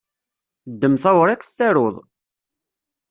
Ddem tawriqt, taruḍ!